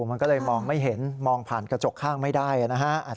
มันก็เลยมองไม่เห็นมองผ่านกระจกข้างไม่ได้นะฮะ